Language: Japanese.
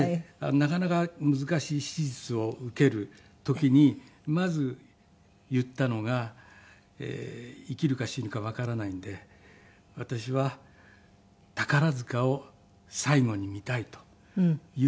なかなか難しい手術を受ける時にまず言ったのが「生きるか死ぬかわからないんで私は宝塚を最後に見たい」というふうに言いました。